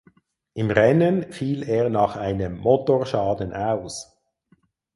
Im Rennen fiel er nach einem Motorschaden aus.